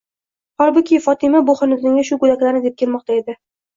Holbuki, Fotima bu xonadonga shu go'daklarni deb kelmoqda edi.